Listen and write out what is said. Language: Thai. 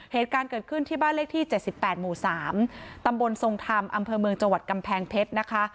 เหตุการณ์เกิดขึ้นที่บ้านเลขที่๗๘หมู่๓ตำบลทรงธรรมอำเภอเมืองจังหวัดกำแพงเพชรนะคะ